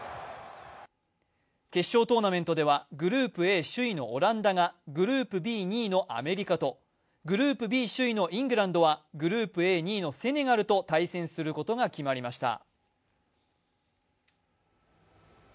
決勝トーナメントではグループ首位のオランダがグループＢ、２位のアメリカとグループＢ首位のイングランドはグループＡ２位のセネガルと対戦することが決まりました。